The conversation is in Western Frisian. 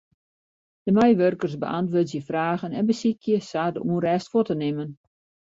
De meiwurkers beäntwurdzje fragen en besykje sa de ûnrêst fuort te nimmen.